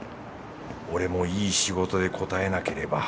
俺もいい仕事で応えなければ